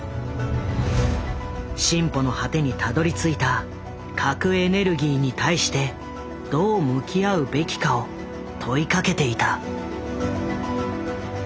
進歩の果てにたどりついた核エネルギーに対してどう向き合うべきかを問いかけていた。